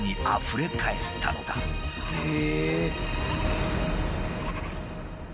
へえ。